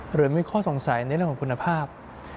หรือมีข้อสงสัยในเรื่องของคุณภาพ